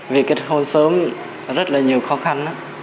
vì kết hôn sớm rất là nhiều khó khăn